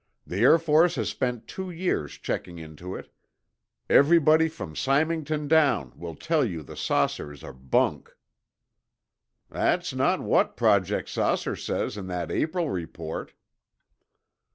"The Air Force has spent two years checking into it. Everybody from Symington down will tell you the saucers are bunk." "That's not what Project 'Saucer' says in that April report."